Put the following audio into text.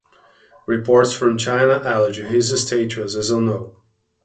Reports from China allege his status is unknown.